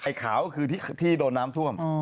ขาวก็คือที่โดนน้ำท่วม